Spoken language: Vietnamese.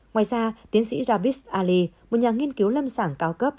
ngoài ra tiến sĩ rabis ali một nhà nghiên cứu lâm sản cao cấp